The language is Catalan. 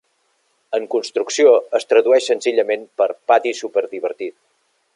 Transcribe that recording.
'En construcció' es tradueix senzillament per 'pati superdivertit'.